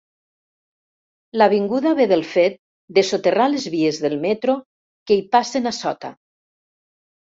L'avinguda ve del fet de soterrar les vies del metro, que hi passen a sota.